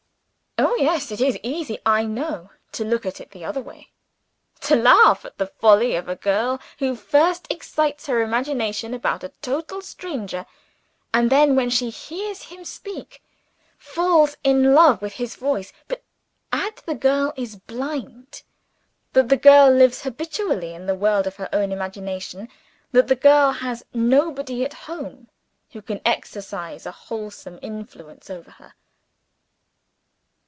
Oh, yes, it is easy, I know, to look at it the other way to laugh at the folly of a girl, who first excites her imagination about a total stranger; and then, when she hears him speak, falls in love with his voice! But add that the girl is blind; that the girl lives habitually in the world of her own imagination; that the girl has nobody at home who can exercise a wholesome influence over her.